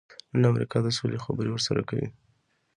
نن امریکا د سولې خبرې ورسره کوي.